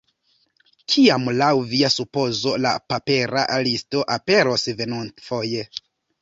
Kiam laŭ via supozo la papera listo aperos venontfoje?